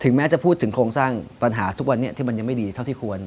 แม้จะพูดถึงโครงสร้างปัญหาทุกวันนี้ที่มันยังไม่ดีเท่าที่ควร